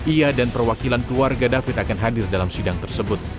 ia dan perwakilan keluarga david akan hadir dalam sidang tersebut